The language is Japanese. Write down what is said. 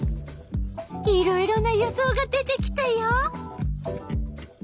いろいろな予想が出てきたよ。